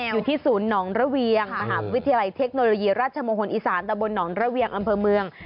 อยู่ที่ศูนย์หนองระเวียงมหาวิทยาลัยเทคโนโลยีราชมงคลอีสานตะบนหนองระเวียงอำเภอเมือง